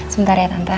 sebentar ya tante